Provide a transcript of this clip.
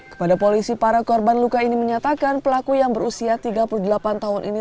kepada polisi para korban luka ini menyatakan pelaku yang berusia tiga puluh delapan tahun ini